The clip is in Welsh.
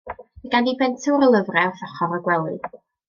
Mae ganddi bentwr o lyfre wrth ochr y gwely.